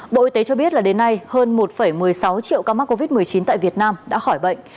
bộ y tế cho biết là đến nay hơn một một mươi sáu triệu ca mắc covid một mươi chín tại việt nam đã khỏi bệnh